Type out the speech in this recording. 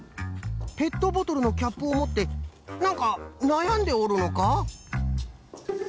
ペットボトルのキャップをもってなんかなやんでおるのか？